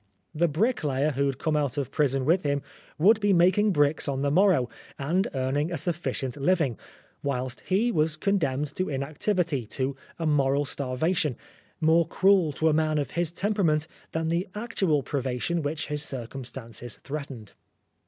The bricklayer who had come out of the prison with him would be making bricks on the morrow and earning a sufficient living, whilst he was condemned to inactivity, to a moral starvation, more cruel to a man of his temperament than the actual privation which his circumstances threatened.